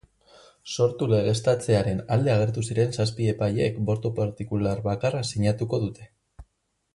Sortu legeztatzearen alde agertu ziren zazpi epaileek boto partikular bakarra sinatuko dute.